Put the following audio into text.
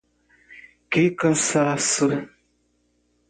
Que cansaço!